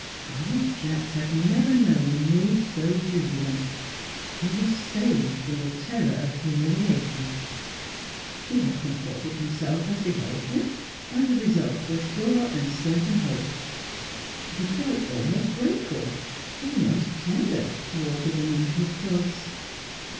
Arnold Jacks had never known a mood so jubilant. He was saved from the terror of humiliation. He had comported himself as behoved him, and the result was sure and certain hope. He felt almost grateful, almost tender, towards the woman of his choice.